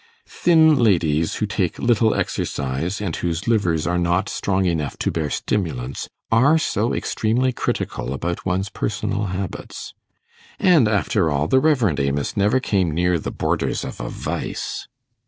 Thin ladies, who take little exercise, and whose livers are not strong enough to bear stimulants, are so extremely critical about one's personal habits! And, after all, the Rev. Amos never came near the borders of a vice.